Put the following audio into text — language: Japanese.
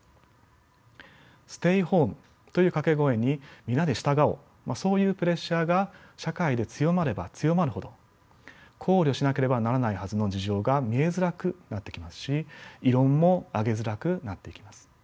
ステイホームという掛け声に皆で従おうそういうプレッシャーが社会で強まれば強まるほど考慮しなければならないはずの事情が見えづらくなってきますし異論も上げづらくなっていきます。